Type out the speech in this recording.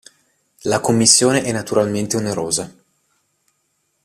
La commissione è naturalmente onerosa.